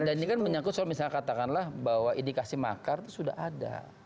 dan ini kan menyangkut soal misalnya katakanlah bahwa indikasi makar itu sudah ada